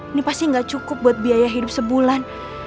ini pasti gak cukup buat biaya hidup sebulan